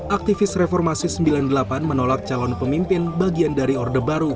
aktivis reformasi sembilan puluh delapan menolak calon pemimpin bagian dari orde baru